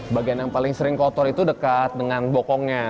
bagian yang paling sering kotor itu dekat dengan bokongnya